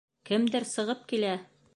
Кемдер сығып килә!